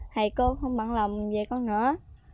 thầy cô không bận lòng về con nữa